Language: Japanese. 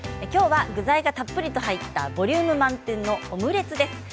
きょうは具材がたっぷりと入ったボリューム満点のオムレツです。